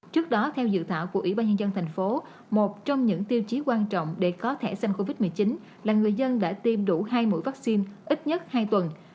trước đó theo dự thảo của ủy ban nhân dân tp một trong những tiêu chí quan trọng để có thể xem covid một mươi chín là người dân đã tiêm đủ hai mũi vaccine ít nhất hai tuần